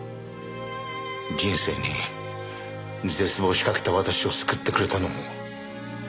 人生に絶望しかけた私を救ってくれたのも佳苗でした。